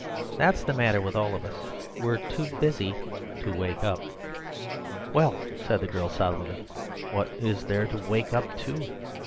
That's the matter with all of us. We're too busy to wake up." "Well," said the girl solidly, "what is there to wake up to?"